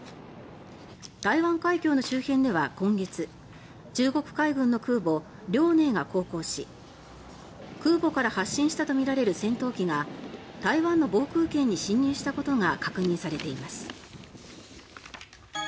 台湾海峡の周辺では今月中国海軍の空母「遼寧」が航行し空母から発進したとみられる戦闘機が台湾の防空圏に進入したことが確認されています。